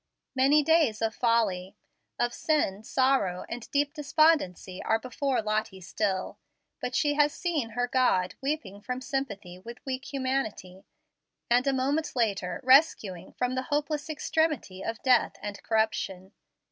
Many days of folly of sin, sorrow, and deep despondency are before Lottie still; but she has seen her God weeping from sympathy with weak humanity, and a moment later rescuing from the hopeless extremity of death and corruption.